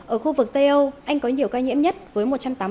ở khu vực tây âu anh có nhiều ca nhiễm nhất với một trăm tám mươi